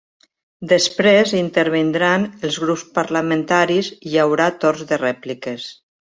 Després hi intervindran els grups parlamentaris i hi haurà torns de rèpliques.